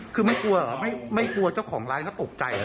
กินแล้วเป็นอย่างนี้ทุกที